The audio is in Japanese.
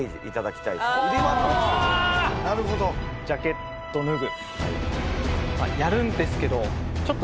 ジャケットを脱ぐ。